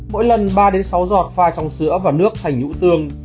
mỗi lần ba sáu giọt pha trong sữa và nước thành nhũ tương